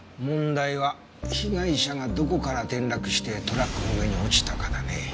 問題は被害者がどこから転落してトラックの上に落ちたかだね。